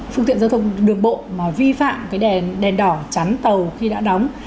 phương tiện giao thông đường bộ mà vi phạm cái đèn đỏ chắn tàu khi đã đóng